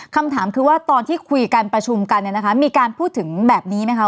คำถามคือว่าตอนที่คุยกันประชุมกันเนี่ยนะคะมีการพูดถึงแบบนี้ไหมคะ